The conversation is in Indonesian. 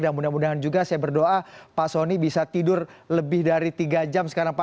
dan mudah mudahan juga saya berdoa pak sonny bisa tidur lebih dari tiga jam sekarang pak